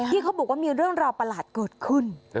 ที่เขาบอกว่ามีเรื่องราวประหลาดเกิดขึ้น